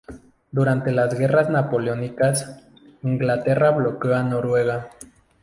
Durante las Guerras Napoleónicas, Inglaterra bloqueó a Noruega.